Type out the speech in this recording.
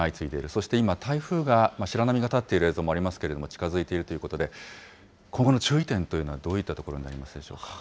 そして今、台風が、白波が立っている映像もありますけれども、近づいているということで、今後の注意点というのは、どういったところになりますでしょうか。